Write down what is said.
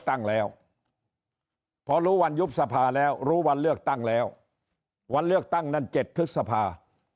ตั้งแล้วพอรู้วันยุบสภาแล้วรู้วันเลือกตั้งแล้ววันเลือกตั้งนั้น๗พฤษภา